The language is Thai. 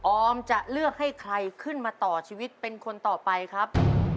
ออมจะเลือกให้ใครขึ้นมาต่อชีวิตเป็นคนต่อไปครับ